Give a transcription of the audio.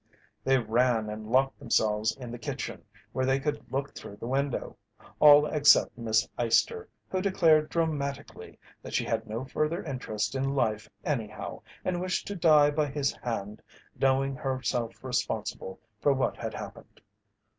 They ran and locked themselves in the kitchen, where they could look through the window all except Miss Eyester, who declared dramatically that she had no further interest in life anyhow and wished to die by his hand, knowing herself responsible for what had happened.